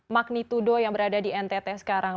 lima magnitude yang berada di ntt sekarang